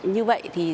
như vậy thì